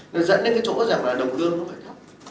nó dẫn đến cái chỗ rằng là đồng lương nó phải thấp